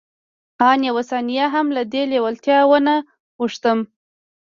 آن يوه ثانيه هم له دې لېوالتیا وانه وښتم.